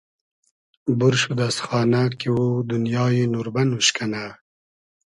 بور شود از خانۂ کی او دونیای نوربئن اوش کئنۂ